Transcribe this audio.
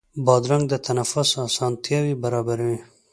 بادرنګ د تنفس اسانتیا برابروي.